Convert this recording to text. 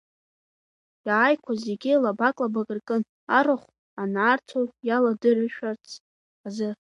Иааиқәаз зегьы лабак-лабак ркын, арахә анаарцо иаладыршәарц азы.